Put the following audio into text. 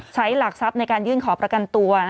หลักทรัพย์ในการยื่นขอประกันตัว